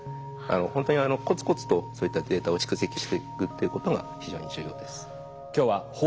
ほんとにコツコツとそういったデータを蓄積していくっていうことが非常に重要です。